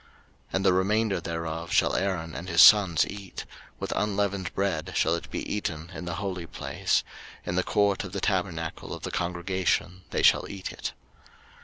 03:006:016 And the remainder thereof shall Aaron and his sons eat: with unleavened bread shall it be eaten in the holy place; in the court of the tabernacle of the congregation they shall eat it.